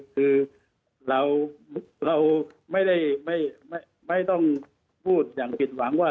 คือเราไม่ต้องพูดอย่างผิดหวังว่า